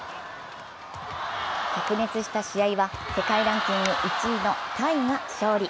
白熱した試合は世界ランキング１位のタイが勝利。